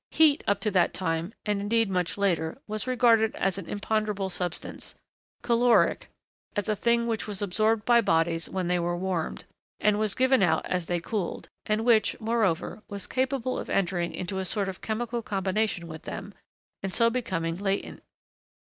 Heat, up to that time, and indeed much later, was regarded as an imponderable substance, caloric; as a thing which was absorbed by bodies when they were wanned, and was given out as they cooled; and which, moreover, was capable of entering into a sort of chemical combination with them, and so becoming latent.